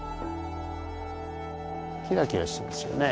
キラキラしてますよね。